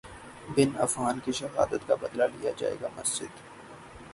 بن عفان کی شہادت کا بدلہ لیا جائے گا مسجد